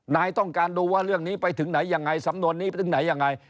ต้องการดูว่าเรื่องนี้ไปถึงไหนยังไงสำนวนนี้ไปถึงไหนยังไง